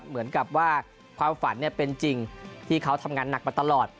เหมือนกับว่าความฝันเป็นจริงที่เขาทำงานหนักมาตลอด